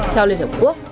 theo liên hợp quốc